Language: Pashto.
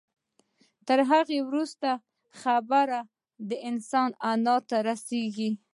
تر هغه وروسته خبره د انسان انا ته رسېږي.